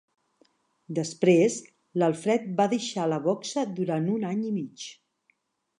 Després, l'Alfred va deixar la boxa durant un any i mig.